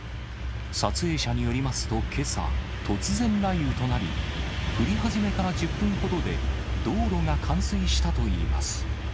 撮影者によりますと、けさ、突然雷雨となり、降り始めから１０分ほどで、道路が冠水したといいます。